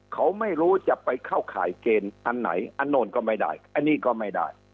เขาไม่รู้จะไปเข้าข่ายเกณฑ์อันไหนอันโน่นก็ไม่ได้อันนี้ก็ไม่ได้